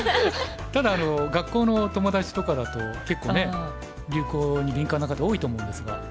ただ学校の友達とかだと結構ね流行に敏感な方多いと思うんですが。